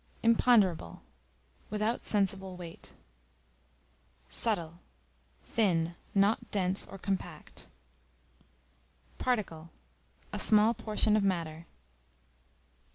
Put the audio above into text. Imponderable, without sensible weight. Subtile, thin, not dense, or compact. Particle, a small portion of matter.